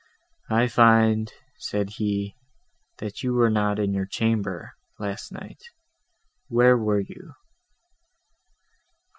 "I find," said he, "that you were not in your chamber, last night; where were you?"